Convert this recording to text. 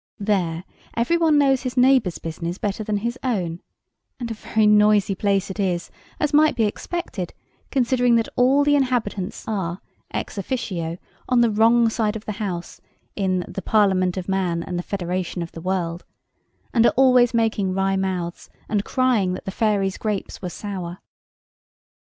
There every one knows his neighbour's business better than his own; and a very noisy place it is, as might be expected, considering that all the inhabitants are ex officio on the wrong side of the house in the "Parliament of Man, and the Federation of the World;" and are always making wry mouths, and crying that the fairies' grapes were sour.